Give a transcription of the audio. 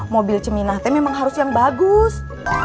mobil cemina teh memang harus yang bagus